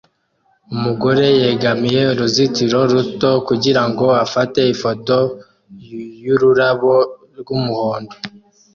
Umugore yegamiye uruzitiro ruto kugirango afate ifoto yururabo rwumuhondo